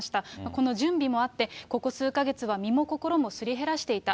この準備もあって、ここ数か月は身も心もすり減らしていた。